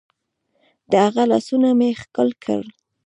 د هغه لاسونه مې ښكل كړل.